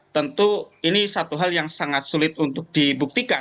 tentu ini satu hal yang sangat sulit untuk dibuktikan